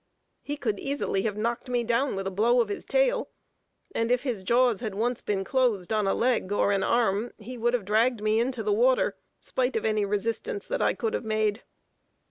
He could easily have knocked me down with a blow of his tail; and if his jaws had once been closed on a leg or an arm, he would have dragged me into the water, spite of any resistance that I could have made.